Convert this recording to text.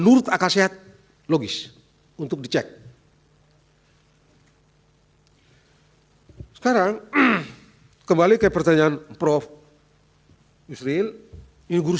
berguna elastic ini bisa biaskaneter sangat caelan gitu bahaya gitu europé